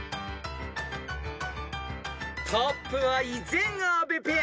［トップは依然阿部ペア］